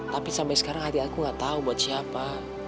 tapi sampai sekarang hati aku gak tahu buat siapa